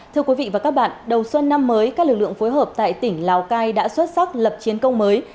thưa quý vị và các bạn đầu xuân năm mới các lực lượng phối hợp tại tỉnh lào cai đã xuất sắc lập chiến công mới